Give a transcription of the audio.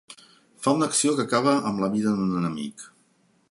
Fa una acció que acaba amb la vida d'un enemic.